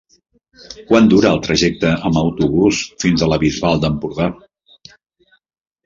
Quant dura el trajecte en autobús fins a la Bisbal d'Empordà?